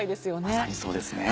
まさにそうですね。